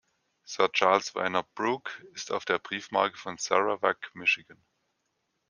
Sir Charles Vyner Brooke ist auf der Briefmarke von Sarawak, Mi.